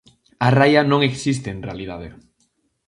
A raia non existe en realidade.